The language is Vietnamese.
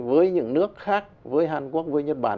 với những nước khác với hàn quốc với nhật bản